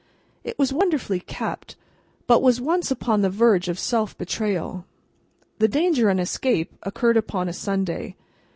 It was wonderfully kept, but was once upon the verge of self betrayal. The danger and escape occurred upon a Sunday.